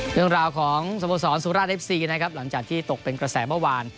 เรื่องราวของสโมสรสุราชเอฟซีนะครับหลังจากที่ตกเป็นกระแสเมื่อวาน